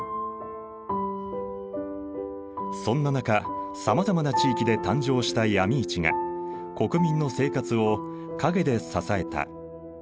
そんな中さまざまな地域で誕生した闇市が国民の生活を陰で支えた。